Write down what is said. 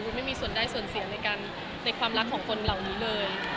ไม่มีส่วนได้ส่วนเสียในความรักของคนเหล่านี้เลย